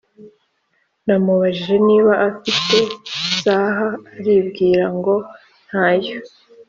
namubajije niba afite isaha arimbwira ngo ntayo